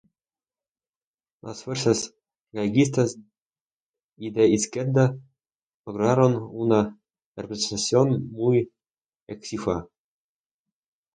Las fuerzas galleguistas y de izquierda lograron una representación muy exigua.